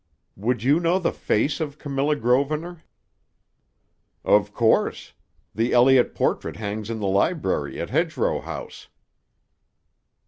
"Would you know the face of Camilla Grosvenor?" "Of course. The Elliott portrait hangs in the library at Hedgerow House."